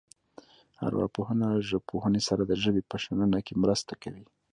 ارواپوهنه له ژبپوهنې سره د ژبې په شننه کې مرسته کوي